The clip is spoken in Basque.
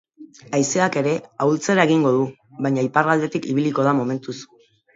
Haizeak ere ahultzera egingo du, baina iparraldetik ibiliko da momentuz.